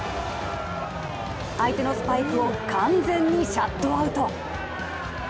相手のスパイクを完全にシャットアウト。